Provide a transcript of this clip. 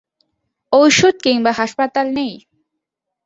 ঔষুধ কিংবা হাসপাতাল নেই।